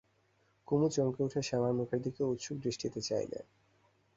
কুমু চমকে উঠে শ্যামার মুখের দিকে উৎসুক দৃষ্টিতে চাইলে।